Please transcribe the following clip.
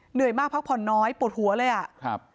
เหนื่อยมากเพราะผ่อนน้อยปลูดหัวเลยอ่ะ